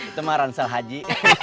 itu mah ransal haji